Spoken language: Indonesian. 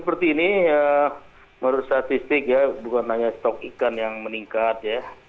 seperti ini menurut statistik ya bukan hanya stok ikan yang meningkat ya